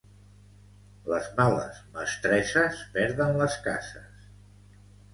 Les males mestresses perden les cases.